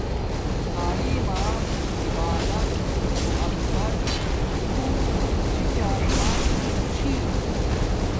تعلیم ما عبادت محبت خلوص چھی چال و گی چھی